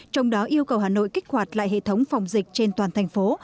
trong đó yêu cầu hà nội kích hoạt lại hệ thống phòng dịch trên toàn thành phố